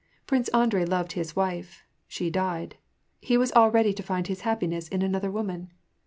Prince Andrei loved his wife ; she died : he was all ready to find his happiness in another woman.